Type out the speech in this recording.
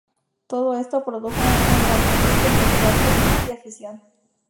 Todo esto produjo un gran conflicto entre jugador, club y afición.